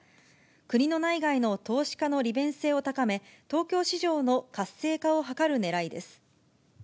国の内外の投資家の利便性を高め、東京市場の活性化を図るねらいです。